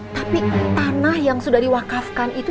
tapi tanah yang sudah diwakafkan itu